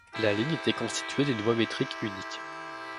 La ligne était constituée d'une voie métrique unique.